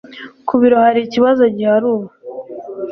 Ku biro hari ikibazo gihari ubu.